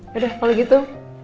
yaudah kalau gitu